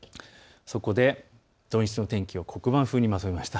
土日の天気を黒板風にまとめました。